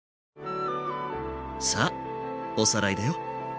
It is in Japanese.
さあおさらいだよ。